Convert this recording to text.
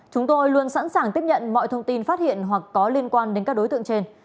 chúng tôi luôn sẵn sàng tiếp nhận mọi thông tin phát hiện hoặc có liên quan đến các đối tượng trên